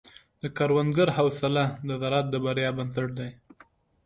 د کروندګر حوصله د زراعت د بریا بنسټ دی.